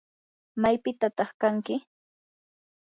¿maypitataq kanki?